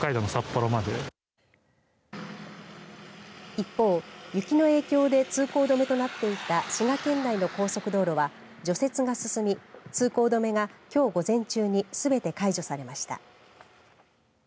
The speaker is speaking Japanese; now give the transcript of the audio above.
一方、雪の影響で通行止めとなっていた滋賀県内の高速道路は除雪が進み通行止めが、きょう午前中にすべて解除されました。